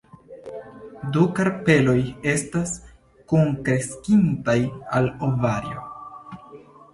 Du karpeloj estas kunkreskintaj al ovario.